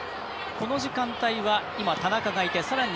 この時間帯は今、田中がいて。